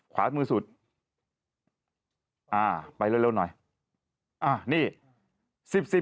ขวามือสุดไปเร็วหน่อย